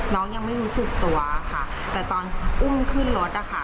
ยังไม่รู้สึกตัวค่ะแต่ตอนอุ้มขึ้นรถอะค่ะ